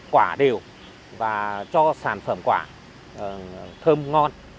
quả đều và cho sản phẩm quả thơm ngon